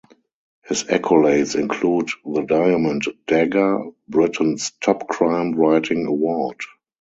His accolades include the Diamond Dagger, Britain's top crime-writing award.